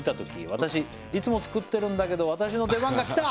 「私いつも作ってるんだけど私の出番がきた！」